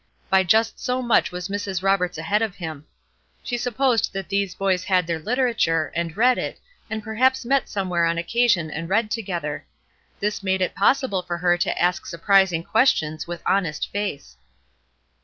By just so much was Mrs. Roberts ahead of him. She supposed that these boys had their literature, and read it, and perhaps met somewhere on occasion and read together. This made it possible for her to ask surprising questions with honest face.